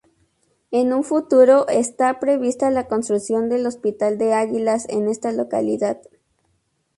En un futuro, está prevista la construcción del hospital de Águilas, en esta localidad.